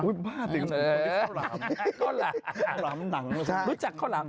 รู้จักข้าวหลาม